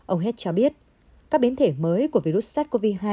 ông hed cho biết các biến thể mới của virus sars cov hai